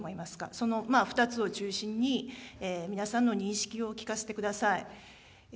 その２つを中心に、皆さんの認識を聞かせてください。